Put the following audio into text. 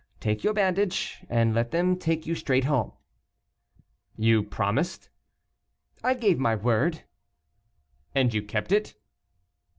Take your bandage, and let them take you straight home.'" "You promised?" "I gave my word." "And you kept it?"